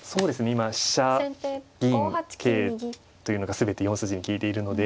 今飛車銀桂というのが全て４筋に利いているので。